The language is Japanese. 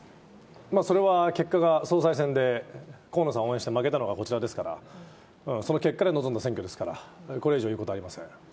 それは結果が総裁選で河野さんを応援して負けたのはこちらですから、その結果で臨んだ選挙ですから、これ以上言うことはありません。